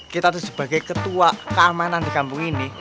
kita itu sebagai ketua keamanan di kampung ini